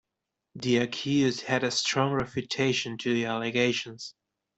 The accused had a strong refutation to the allegations.